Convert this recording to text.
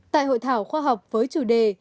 tại hội thảo khoa học với chủ đề